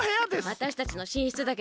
わたしたちのしんしつだけどね。